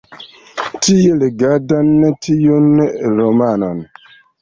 Tie legadan tiun romanon.